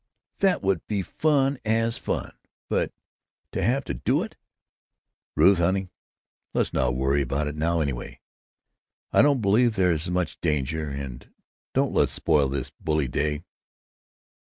That would be fun as fun, but to have to do it——" "Ruth, honey, let's not worry about it now, anyhow. I don't believe there's much danger. And don't let's spoil this bully day."